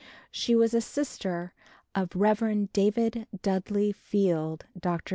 She was a sister of Rev. David Dudley Field, D.D.